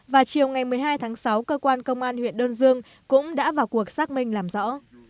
và chiều ngày một mươi hai tháng sáu cơ quan công an huyện đơn dương cũng đã vào cuộc xác minh làm rõ